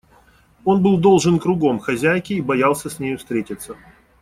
Он был должен кругом хозяйке и боялся с нею встретиться.